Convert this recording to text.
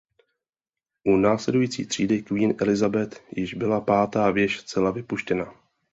U následující třídy Queen Elizabeth již byla pátá věž zcela vypuštěna.